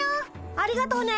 ありがとね